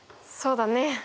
そうだね。